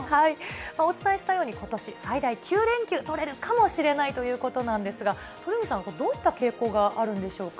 お伝えしたように、ことし最大９連休取れるかもしれないということなんですが、鳥海さん、これ、どういった傾向があるんでしょうか。